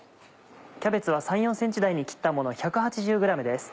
キャベツは３４ｃｍ大に切ったもの１８０ｇです。